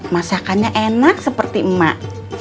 masakannya enak seperti emak